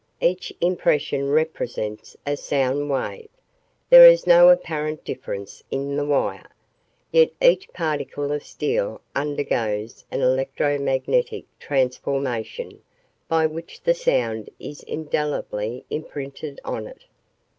Each impression represents a sound wave. There is no apparent difference in the wire, yet each particle of steel undergoes an electromagnetic transformation by which the sound is indelibly imprinted on it."